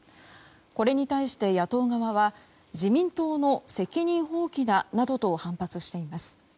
これに対して野党側は自民党の責任放棄だと反発しています。